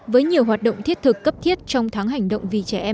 với nhiều hoạt động thiết thực cấp thiết trong tháng hành động vì trẻ em